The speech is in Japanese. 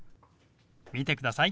見てください。